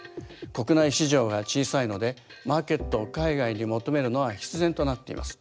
国内市場が小さいのでマーケットを海外に求めるのは必然となっています。